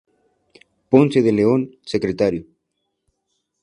Ponce de León, Secretario.